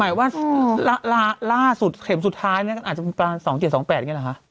หมายความว่าล่าล่าสุดเข็มสุดท้ายเนี้ยก็อาจจะมีประมาณสองเจ็ดสองแปดอย่างงี้แหละฮะ